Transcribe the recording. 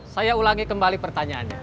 saya ulangi kembali pertanyaannya